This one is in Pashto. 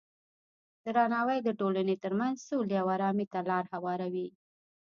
درناوی د ټولنې ترمنځ سولې او ارامۍ ته لاره هواروي.